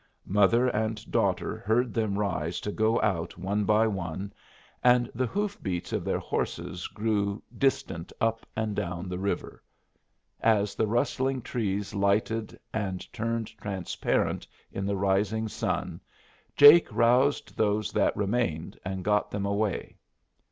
Mother and daughter heard them rise to go out one by one, and the hoof beats of their horses grew distant up and down the river. As the rustling trees lighted and turned transparent in the rising sun, Jake roused those that remained and got them away.